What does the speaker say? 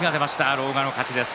狼雅の勝ちです。